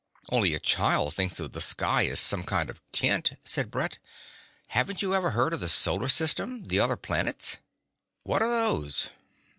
"Only a child thinks the sky is some kind of tent," said Brett. "Haven't you ever heard of the Solar System, the other planets?" "What are those?"